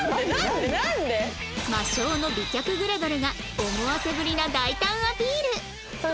魔性の美脚グラドルが思わせぶりな大胆アピール